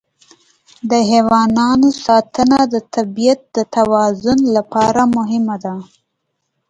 د حیواناتو ساتنه د طبیعت د توازن لپاره مهمه ده.